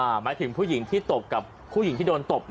หมายถึงผู้หญิงที่ตบกับผู้หญิงที่โดนตบ